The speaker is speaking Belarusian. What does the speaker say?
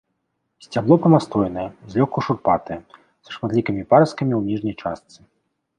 Сцябло прамастойнае, злёгку шурпатае, са шматлікімі парасткамі ў ніжняй частцы.